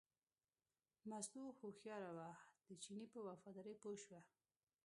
مستو هوښیاره وه، د چیني په وفادارۍ پوه شوه.